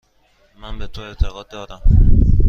من به تو اعتماد دارم.